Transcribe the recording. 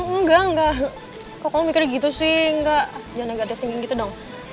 enggak enggak kok kamu mikir gitu sih enggak jangan negatif thinking gitu dong